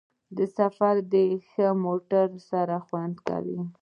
سفر د ښه موټر سره خوند کوي.